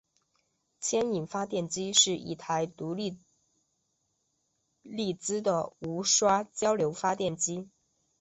牵引发电机是一台独立励磁的无刷交流发电机。